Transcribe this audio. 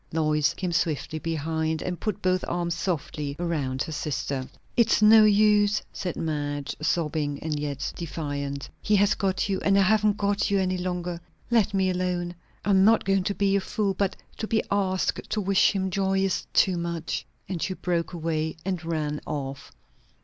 Lois came swiftly behind and put both arms softly around her sister. "It's no use!" said Madge, sobbing and yet defiant. "He has got you, and I haven't got you any longer. Let me alone I am not going to be a fool, but to be asked to wish him joy is too much." And she broke away and ran off.